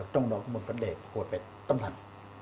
trong đó có một vấn đề phục hồi về tâm thần